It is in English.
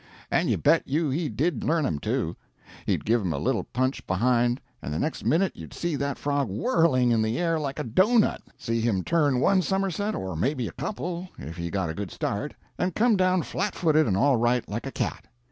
And you bet you he did learn him, too. He'd give him a little punch behind, and the next minute you'd see that frog whirling in the air like a doughnut see him turn one summerset, or maybe a couple, if he got a good start, and come down flat footed and all right, like a cat.